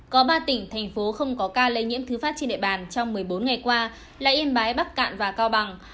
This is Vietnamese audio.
có ba tỉnh thành phố không có ca lây nhiễm thứ phát trên địa bàn trong một mươi bốn ngày qua là yên bái bắc cạn và cao bằng